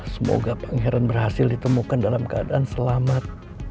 semoga pangeran berhasil ditemukan dalam keadaan selamat